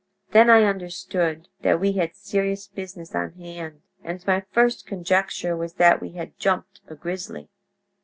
Then I understood that we had serious business on hand, and my first conjecture was that we had 'jumped' a grizzly.